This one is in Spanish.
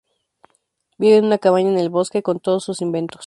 Vive en una cabaña en el bosque, con todos sus inventos.